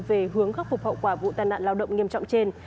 về hướng khắc phục hậu quả vụ tai nạn lao động nghiêm trọng trên